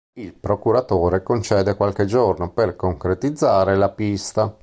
Il procuratore concede qualche giorno per concretizzare la pista.